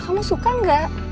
kamu suka gak